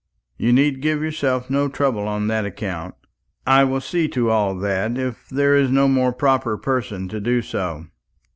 "You need give yourself no trouble on that account. I will see to all that, if there is no more proper person to do so."